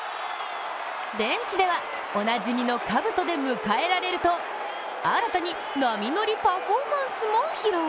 ベンチでは、おなじみのかぶとで迎えられると新たに波乗りパフォーマンスも披露。